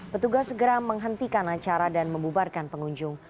petugas segera menghentikan acara dan membubarkan pengunjung